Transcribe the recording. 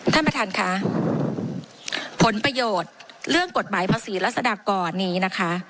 ท่านประธานค่ะผลประโยชน์เรื่องกฎหมายภาษีรัศดากรนี้นะคะ